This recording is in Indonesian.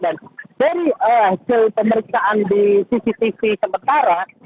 dan dari hasil pemeriksaan di cctv sementara